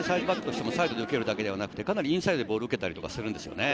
サイドで受けるだけではなく、インサイドでボールを受けたりするんですよね。